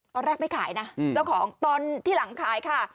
ตอนแรกไม่ขายนะเจ้าของตอนที่หลังขายค่ะ